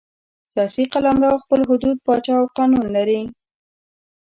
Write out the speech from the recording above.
سیاسي قلمرو خپل حدود، پاچا او قانون لري.